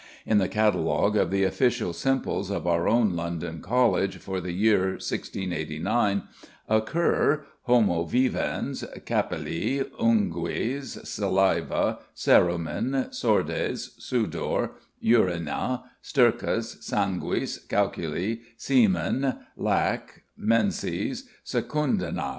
In the catalogue of the official simples of our own London College for the year 1689 occur 'Homo Vivens: Capilli, ungues, saliva, cerumen, sordes, sudor, urina, stercus, sanguis, calculi, semen, lac, menses, secundinæ.